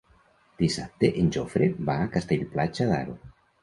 Dissabte en Jofre va a Castell-Platja d'Aro.